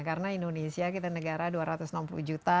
karena indonesia kita negara dua ratus enam puluh juta